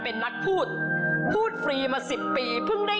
ของท่านได้เสด็จเข้ามาอยู่ในความทรงจำของคน๖๗๐ล้านคนค่ะทุกท่าน